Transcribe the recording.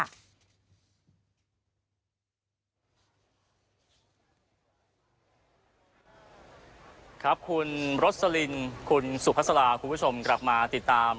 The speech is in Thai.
ครับคุณรสลินคุณสุภาษาลาคุณผู้ชมกลับมาติดตาม